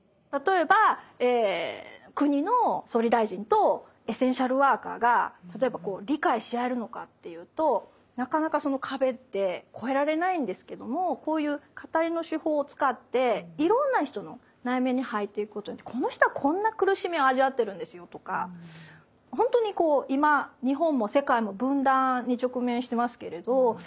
例えば国の総理大臣とエッセンシャルワーカーが例えば理解し合えるのかっていうとなかなかその壁って超えられないんですけどもこういう語りの手法を使っていろんな人の内面に入っていくことでこの人はこんな苦しみを味わってるんですよとかほんとにこう今日本も世界も分断に直面してますけれど